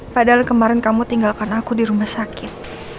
padahal kemarin kamu tinggalkan aku di rumah sakit